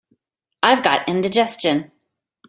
I've got indigestion.